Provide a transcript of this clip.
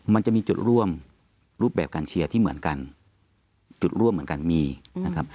มันจะมีจุดร่วมรูปแบบการเชียร์ที่เหมือนกันจุดร่วมเหมือนกันมีนะครับ